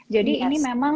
jadi ini memang